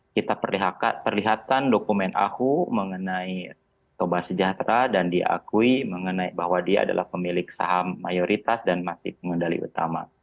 kita perlihatkan dokumen ahu mengenai toba sejahtera dan diakui mengenai bahwa dia adalah pemilik saham mayoritas dan masih pengendali utama